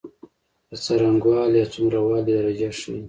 د څرنګوالی او څومره والي درجه ښيي.